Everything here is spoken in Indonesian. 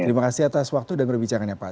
terima kasih atas waktu dan perbicaraannya pak